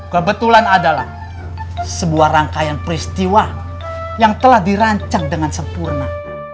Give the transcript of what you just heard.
kebetulan adalah sebuah rangkaian peristiwa yang telah dirancang dengan sempurna